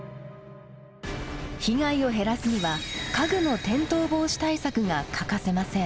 被害を減らすには家具の転倒防止対策が欠かせません。